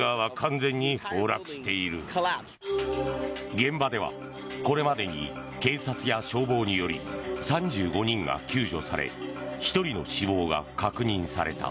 現場ではこれまでに警察や消防により３５人が救助され１人の死亡が確認された。